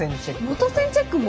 元栓チェックも？